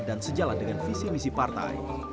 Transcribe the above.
dan sejalan dengan visi visi partai